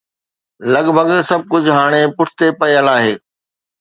لڳ ڀڳ سڀ ڪجهه هاڻي پٺتي پيل آهي